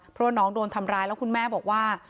เพราะว่าน้องโดนทำร้ายแล้วคุณแม่บอกว่า